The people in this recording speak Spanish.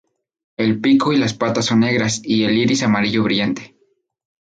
El pico y las patas son negras y el iris amarillo brillante.